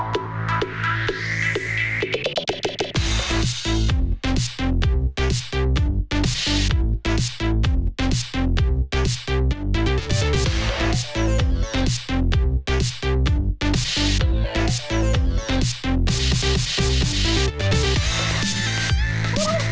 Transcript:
ไปไกลไปไกล